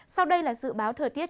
sau đây là dự báo thời tiết